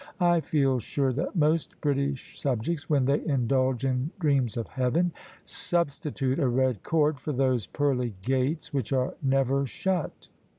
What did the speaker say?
I feel sure that most British subjects — ^whcn they indulge in dreams of Heaven — substi tute a red cord for those pearly gates which are never shut.